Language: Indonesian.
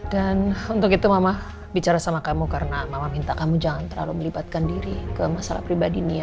dan untuk itu mama bicara sama kamu karena mama minta kamu jangan terlalu melibatkan diri ke masalah pribadi nia